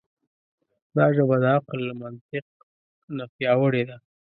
دا ژبه د عقل له منطق نه پیاوړې ده.